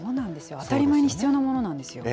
当たり前に必要なものなんですよ。